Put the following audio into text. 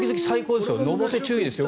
のぼせ注意ですよ。